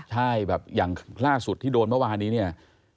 ใช่แบบอย่างล่าสุดที่โดนเมื่อวานนี้เนี่ย